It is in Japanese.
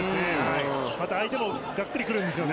また、相手もがっくり来るんですよね。